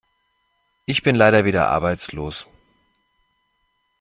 Ich bin leider wieder arbeitslos.